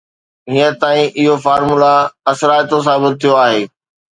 هينئر تائين اهو فارمولو اثرائتو ثابت ٿيو آهي